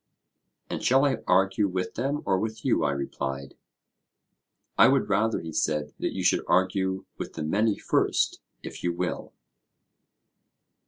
And shall I argue with them or with you? I replied. I would rather, he said, that you should argue with the many first, if you will.